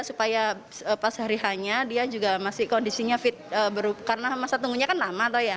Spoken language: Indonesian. supaya pas hari hanya dia juga masih kondisinya fit karena masa tunggunya kan lama